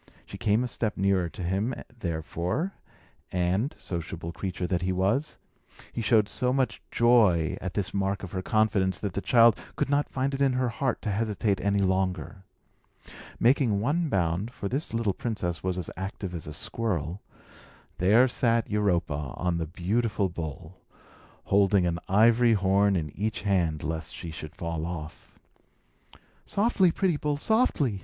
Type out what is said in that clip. She came a step nearer to him, therefore; and sociable creature that he was he showed so much joy at this mark of her confidence, that the child could not find it in her heart to hesitate any longer. Making one bound (for this little princess was as active as a squirrel), there sat Europa on the beautiful bull, holding an ivory horn in each hand, lest she should fall off. "Softly, pretty bull, softly!"